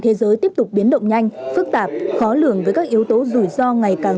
thế giới tiếp tục biến động nhanh phức tạp khó lường với các yếu tố rủi ro ngày càng